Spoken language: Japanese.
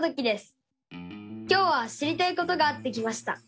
今日は知りたいことがあって来ました。